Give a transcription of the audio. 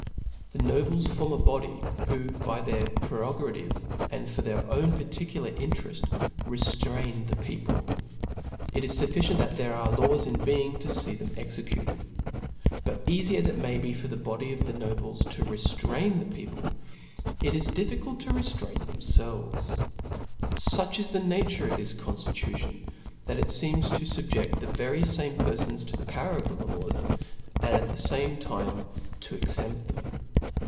The nobles form a body, who by their prerogative, and Tor their own particular intereft, reftraifi the people; It is fufiicient, that there are laws in being to feef them C3^ecuted. But eafy as it may be for the body of the no bles to reftrain the people, it is difficult to re ftrain ihemielves*. Such is the nature of this conftitution, that it fcerfts to fubjeft the very fame* perfons to the power of the laws, and at the fame time to exempt them.